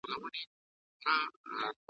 احتتام کؤم سلام دې ګرزؤمه